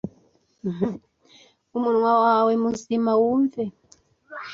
Umunwa wawe muzima wumve,